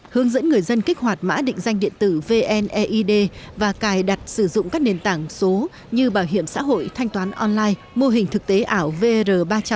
hướng dẫn người dân kích hoạt mã định danh điện tử vneid và cài đặt sử dụng các nền tảng số như bảo hiểm xã hội thanh toán online mô hình thực tế ảo vr ba trăm sáu mươi